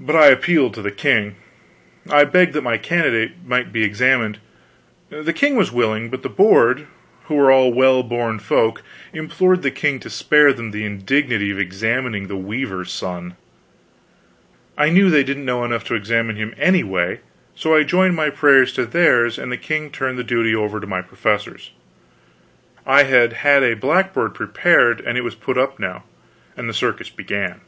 But I appealed to the king. I begged that my candidate might be examined. The king was willing, but the Board, who were all well born folk, implored the king to spare them the indignity of examining the weaver's son. I knew they didn't know enough to examine him anyway, so I joined my prayers to theirs and the king turned the duty over to my professors. I had had a blackboard prepared, and it was put up now, and the circus began.